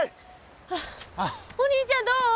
はあお兄ちゃんどう？